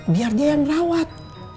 biar dia yang rawat